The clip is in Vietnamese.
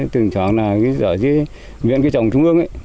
từng chọn là cái giới chí nguyện cái trồng trung ương ấy